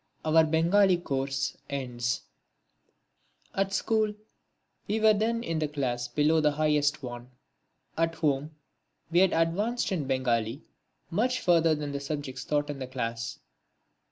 (11) Our Bengali Course Ends At School we were then in the class below the highest one. At home we had advanced in Bengali much further than the subjects taught in the class.